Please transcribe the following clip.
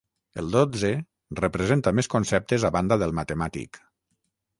El dotze representa més conceptes a banda del matemàtic.